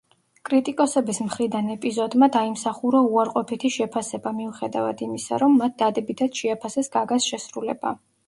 კრიტიკოსების მხრიდან ეპიზოდმა დაიმსახურა უარყოფითი შეფასება, მიუხედავად იმისა, რომ მათ დადებითად შეაფასეს გაგას შესრულება.